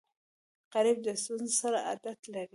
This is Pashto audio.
غریب د ستونزو سره عادت لري